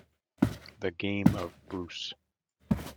The game of Bruce